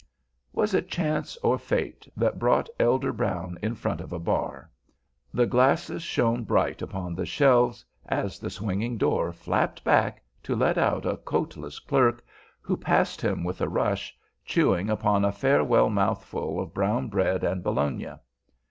Was it chance or fate that brought Elder Brown in front of a bar? The glasses shone bright upon the shelves as the swinging door flapped back to let out a coatless clerk, who passed him with a rush, chewing upon a farewell mouthful of brown bread and bologna.